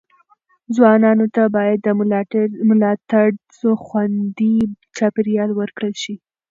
ځوانانو ته باید د ملاتړ خوندي چاپیریال ورکړل شي.